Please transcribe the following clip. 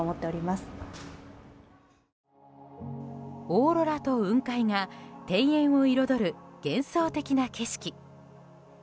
オーロラと雲海が庭園を彩る幻想的な景色。